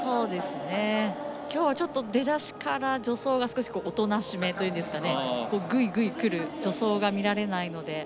きょうは出だしから助走がおとなしめというんですかぐいぐいくる助走が見られないので。